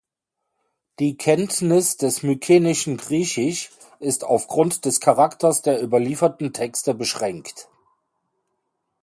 Die Kenntnis des mykenischen Griechisch ist aufgrund des Charakters der überlieferten Texte beschränkt.